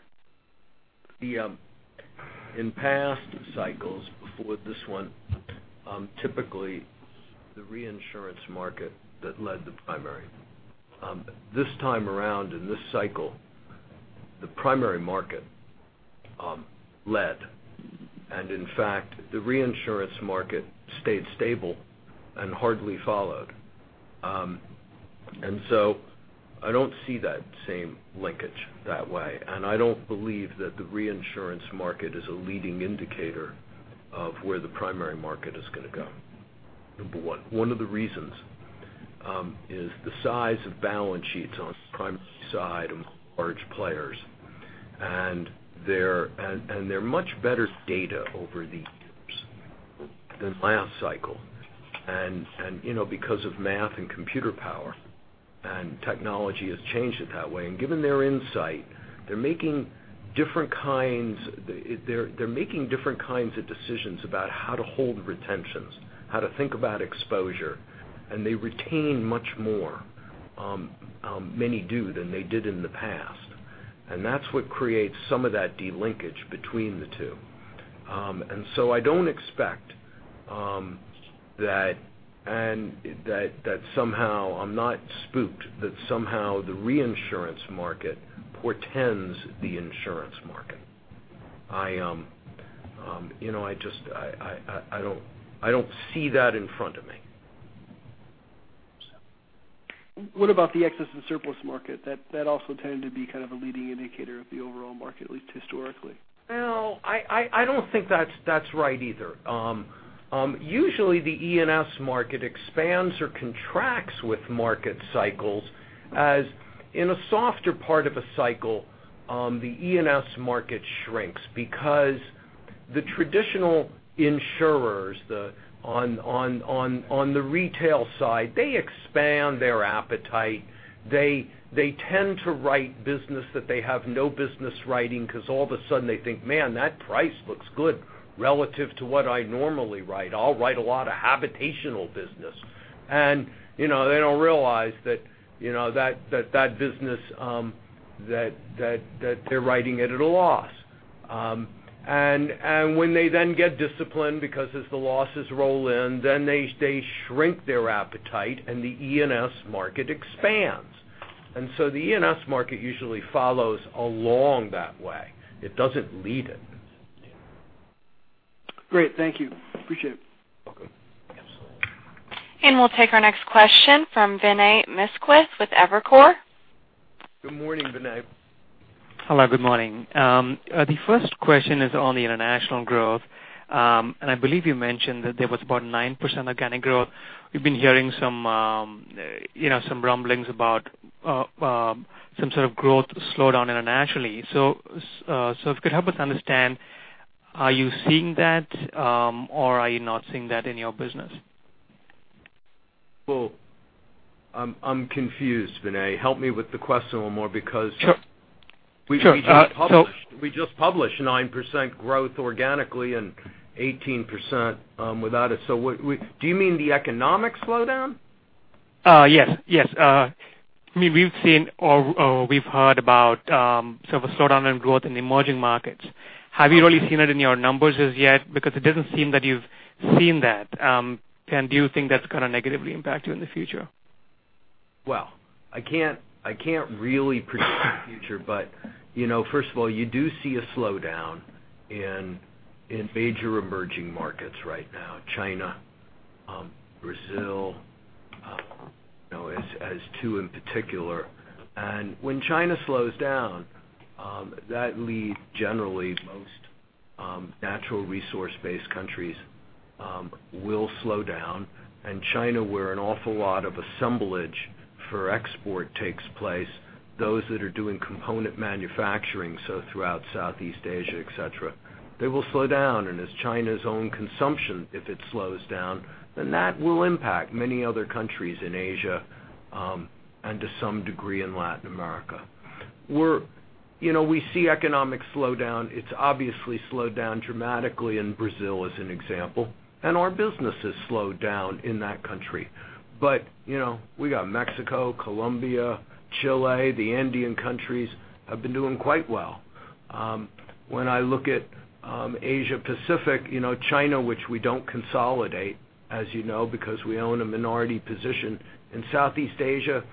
In past cycles before this one, typically the reinsurance market that led the primary. This time around in this cycle, the primary market led, and in fact, the reinsurance market stayed stable and hardly followed. I don't see that same linkage that way, and I don't believe that the reinsurance market is a leading indicator of where the primary market is going to go. Number one. One of the reasons is the size of balance sheets on the primary side of large players, and they're much better data over the years than last cycle. Because of math and computer power and technology has changed it that way. Given their insight, they're making different kinds of decisions about how to hold retentions, how to think about exposure, and they retain much more, many do, than they did in the past. That's what creates some of that delinkage between the two. I don't expect that somehow I'm not spooked, that somehow the reinsurance market portends the insurance market. I don't see that in front of me. What about the excess and surplus market? That also tended to be kind of a leading indicator of the overall market, at least historically. No, I don't think that's right either. Usually the E&S market expands or contracts with market cycles, as in a softer part of a cycle the E&S market shrinks because the traditional insurers on the retail side, they expand their appetite. They tend to write business that they have no business writing because all of a sudden they think, "Man, that price looks good relative to what I normally write. I'll write a lot of habitational business." They don't realize that that business, that they're writing it at a loss. When they then get disciplined, because as the losses roll in, then they shrink their appetite, the E&S market expands. The E&S market usually follows along that way. It doesn't lead it. Great. Thank you. Appreciate it. Welcome. We'll take our next question from Vinay Misquith with Evercore. Good morning, Vinay. Hello, good morning. The first question is on the international growth. I believe you mentioned that there was about 9% organic growth. We've been hearing some rumblings about some sort of growth slowdown internationally. If you could help us understand, are you seeing that, or are you not seeing that in your business? Well, I'm confused, Vinay. Help me with the question a little more. Sure We just published 9% growth organically and 18% without it. Do you mean the economic slowdown? Yes. We've seen, or we've heard about sort of a slowdown in growth in emerging markets. Have you really seen it in your numbers as yet? It doesn't seem that you've seen that. Do you think that's going to negatively impact you in the future? Well, I can't really predict the future. First of all, you do see a slowdown in major emerging markets right now, China, Brazil as two in particular. When China slows down, that leads generally most natural resource-based countries will slow down. China, where an awful lot of assemblage for export takes place, those that are doing component manufacturing, so throughout Southeast Asia, et cetera, they will slow down. As China's own consumption, if it slows down, then that will impact many other countries in Asia, and to some degree, in Latin America. We see economic slowdown. It's obviously slowed down dramatically in Brazil, as an example, and our business has slowed down in that country. We got Mexico, Colombia, Chile, the Andean countries have been doing quite well. When I look at Asia Pacific, China, which we don't consolidate, as you know, because we own a minority position in Southeast Asia,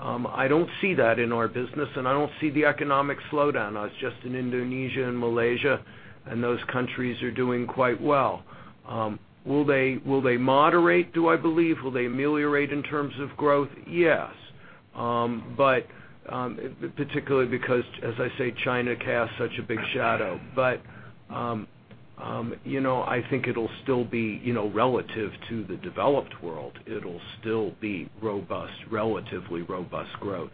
I don't see that in our business. I don't see the economic slowdown. I was just in Indonesia and Malaysia. Those countries are doing quite well. Will they moderate, do I believe? Will they ameliorate in terms of growth? Yes. Particularly because, as I say, China casts such a big shadow. I think it'll still be relative to the developed world. It'll still be robust, relatively robust growth.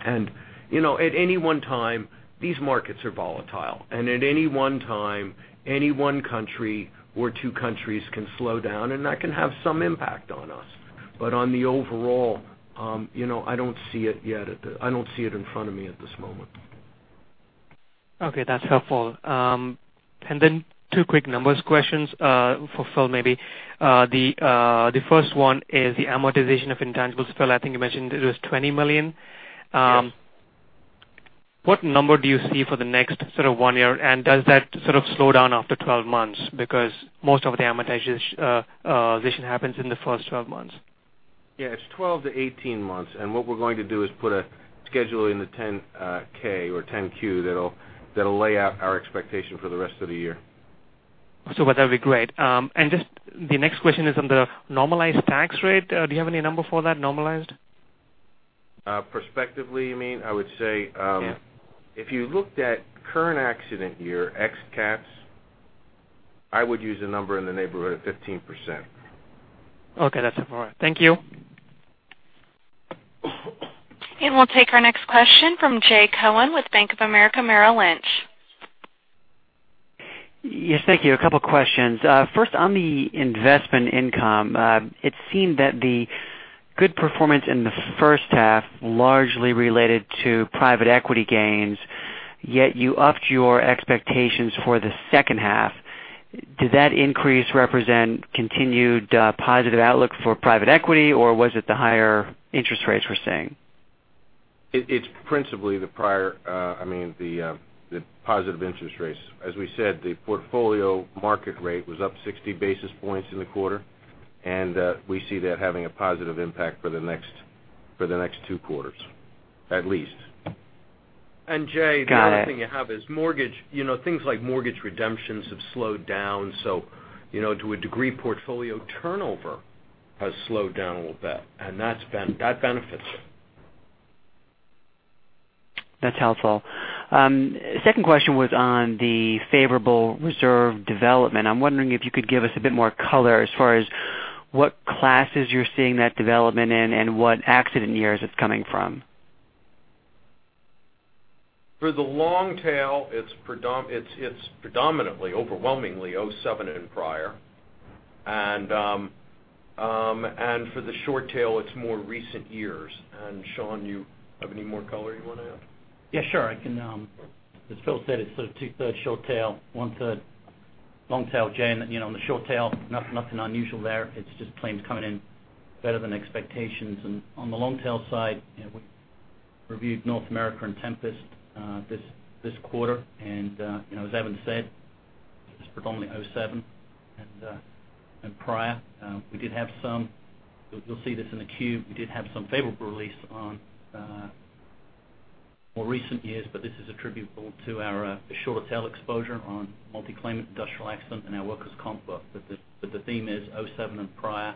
At any one time, these markets are volatile. At any one time, any one country or two countries can slow down, and that can have some impact on us. On the overall, I don't see it yet. I don't see it in front of me at this moment. Okay. That's helpful. Then two quick numbers questions for Phil, maybe. The first one is the amortization of intangibles. Phil, I think you mentioned it was $20 million. Yes. What number do you see for the next one year? Does that sort of slow down after 12 months? Because most of the amortization happens in the first 12 months. Yeah, it's 12 to 18 months, and what we're going to do is put a schedule in the 10-K or 10-Q that'll lay out our expectation for the rest of the year. That'd be great. Just the next question is on the normalized tax rate. Do you have any number for that normalized? Perspectively, you mean? I would say- Yes if you looked at current accident year, ex cats, I would use a number in the neighborhood of 15%. Okay, that's helpful. Thank you. We'll take our next question from Jay Cohen with Bank of America Merrill Lynch. Yes, thank you. A couple questions. First on the investment income, it seemed that the good performance in the first half largely related to private equity gains, yet you upped your expectations for the second half. Did that increase represent continued positive outlook for private equity, or was it the higher interest rates we're seeing? It's principally the positive interest rates. As we said, the portfolio market rate was up 60 basis points in the quarter, we see that having a positive impact for the next two quarters, at least. Got it. Jay, the other thing you have is mortgage. Things like mortgage redemptions have slowed down, to a degree, portfolio turnover has slowed down a little bit, and that benefits it. That's helpful. Second question was on the favorable reserve development. I'm wondering if you could give us a bit more color as far as what classes you're seeing that development in and what accident years it's coming from. For the long tail, it's predominantly, overwhelmingly 2007 and prior. For the short tail, it's more recent years. Sean, you have any more color you want to add? Yeah, sure. As Phil said, it's sort of two-thirds short tail, one-third long tail, Jay. On the short tail, nothing unusual there. It's just claims coming in better than expectations. On the long tail side, we reviewed North America and Tempest this quarter. As Evan said, it's predominantly 2007 and prior. You'll see this in the cube, we did have some favorable release on more recent years, but this is attributable to our shorter tail exposure on multi-claimant industrial accident and our workers' comp book. The theme is 2007 and prior,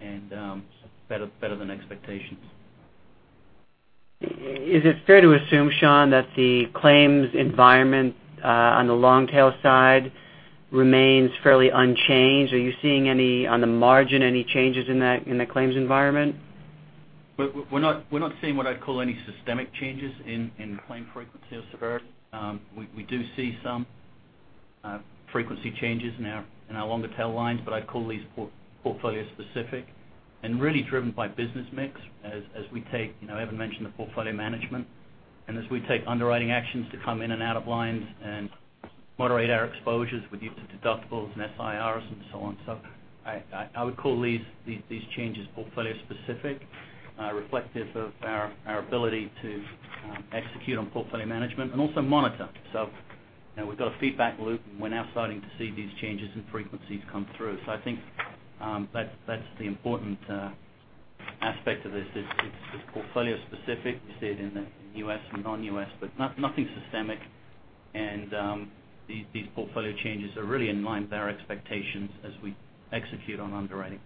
and better than expectations. Is it fair to assume, Sean, that the claims environment on the long tail side remains fairly unchanged? Are you seeing, on the margin, any changes in the claims environment? We're not seeing what I'd call any systemic changes in claim frequency or severity. We do see some frequency changes in our longer tail lines, but I'd call these portfolio specific and really driven by business mix as we take, Evan mentioned the portfolio management, and as we take underwriting actions to come in and out of lines and moderate our exposures with use of deductibles and SIRs and so on. I would call these changes portfolio specific, reflective of our ability to execute on portfolio management and also monitor. We've got a feedback loop, and we're now starting to see these changes in frequencies come through. I think that's the important aspect of this, is it's portfolio specific. You see it in the U.S. and non-U.S., but nothing systemic. These portfolio changes are really in line with our expectations as we execute on underwriting.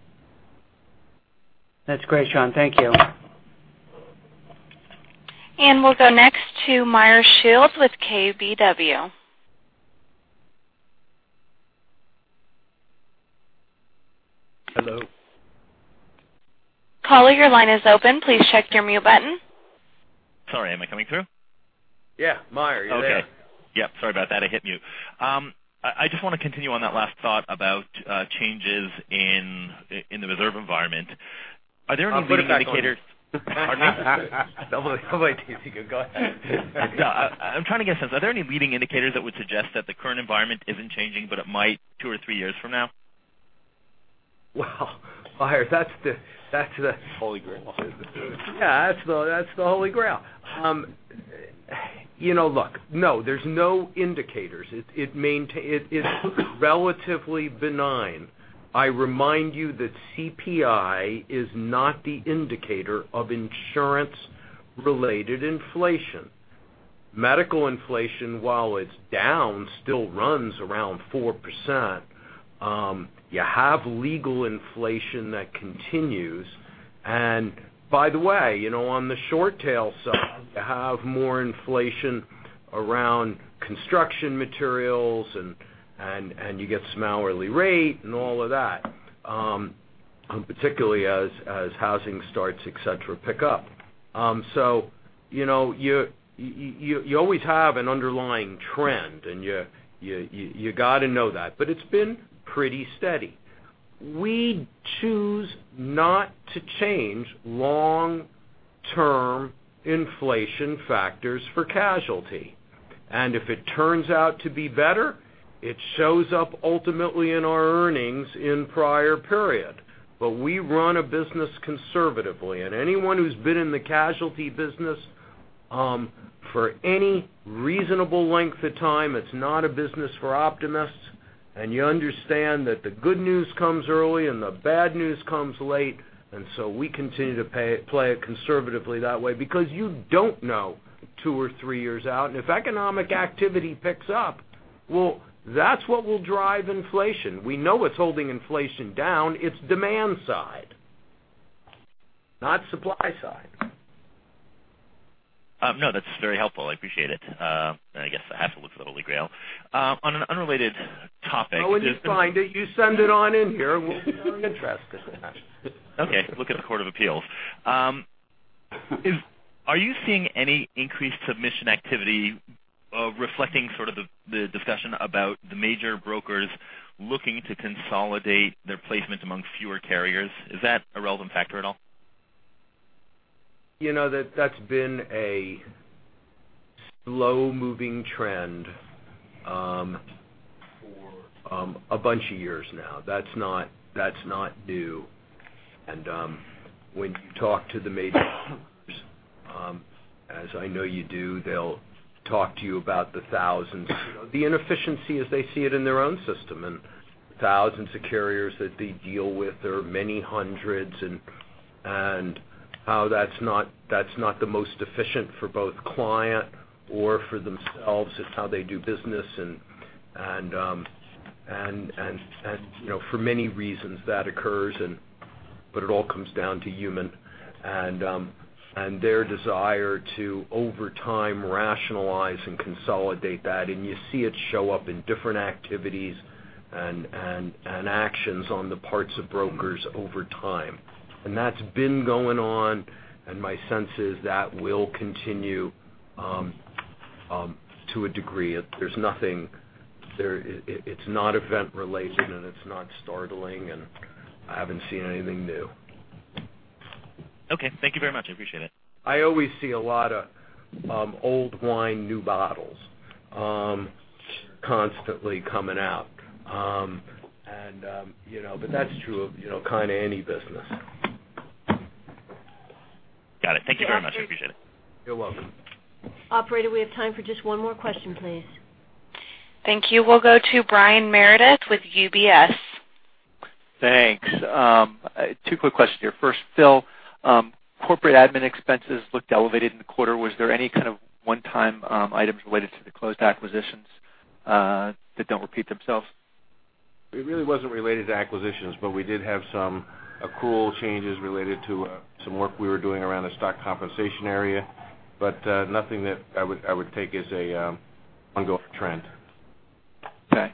That's great, Sean. Thank you. We'll go next to Meyer Shields with KBW. Hello. Caller, your line is open. Please check your mute button. Sorry, am I coming through? Yeah. Meyer, you're there. Okay. Yeah, sorry about that, I hit mute. I just want to continue on that last thought about changes in the reserve environment. Are there any leading indicators- I'll put him on speaker. Pardon me? No, go ahead. No, I'm trying to get a sense. Are there any leading indicators that would suggest that the current environment isn't changing, but it might two or three years from now? Well, Meyer, that's the- Holy Grail. Yeah, that's the holy grail. Look, no, there's no indicators. It's relatively benign. I remind you that CPI is not the indicator of insurance-related inflation. Medical inflation, while it's down, still runs around 4%. You have legal inflation that continues. By the way, on the short tail side, you have more inflation around construction materials and you get some hourly rate and all of that, particularly as housing starts, et cetera, pick up. You always have an underlying trend, and you got to know that. It's been pretty steady. We choose not to change long-term inflation factors for casualty. If it turns out to be better, it shows up ultimately in our earnings in prior period. We run a business conservatively, and anyone who's been in the casualty business for any reasonable length of time, it's not a business for optimists. You understand that the good news comes early and the bad news comes late. We continue to play it conservatively that way, because you don't know two or three years out. If economic activity picks up, well, that's what will drive inflation. We know what's holding inflation down. It's demand side, not supply side. No, that's very helpful. I appreciate it. I guess I have to look for the Holy Grail. On an unrelated topic- Well, when you find it, you send it on in here. We'll be very interested. Okay. Look at the court of appeals. Are you seeing any increased submission activity reflecting sort of the discussion about the major brokers looking to consolidate their placements among fewer carriers? Is that a relevant factor at all? That's been a slow-moving trend for a bunch of years now. That's not new. When you talk to the major brokers, as I know you do, they'll talk to you about the thousands, the inefficiency as they see it in their own system, and thousands of carriers that they deal with, or many hundreds, and how that's not the most efficient for both client or for themselves. It's how they do business, and for many reasons that occurs, but it all comes down to human and their desire to, over time, rationalize and consolidate that. You see it show up in different activities and actions on the parts of brokers over time. That's been going on, and my sense is that will continue to a degree. It's not event related, and it's not startling, and I haven't seen anything new. Okay. Thank you very much. I appreciate it. I always see a lot of old wine, new bottles constantly coming out. That's true of kind of any business. Got it. Thank you very much. I appreciate it. You're welcome. Operator, we have time for just one more question, please. Thank you. We'll go to Brian Meredith with UBS. Thanks. Two quick questions here. First, Phil, corporate admin expenses looked elevated in the quarter. Was there any kind of one-time items related to the closed acquisitions that don't repeat themselves? It really wasn't related to acquisitions, but we did have some accrual changes related to some work we were doing around the stock compensation area, but nothing that I would take as an ongoing trend. Okay.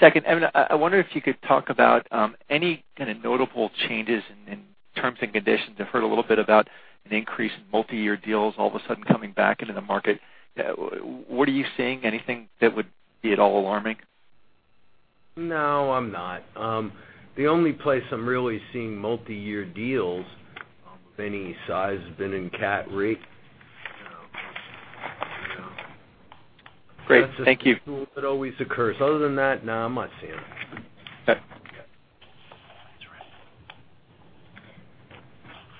Second, Evan, I wonder if you could talk about any kind of notable changes in terms and conditions. I've heard a little bit about an increase in multi-year deals all of a sudden coming back into the market. What are you seeing? Anything that would be at all alarming? No, I'm not. The only place I'm really seeing multi-year deals of any size has been in cat re. Great. Thank you. That always occurs. Other than that, no, I'm not seeing it. Okay.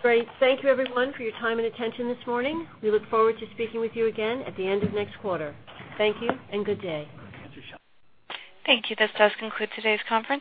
Great. Thank you everyone for your time and attention this morning. We look forward to speaking with you again at the end of next quarter. Thank you and good day. Thank you, Sean. Thank you. This does conclude today's conference.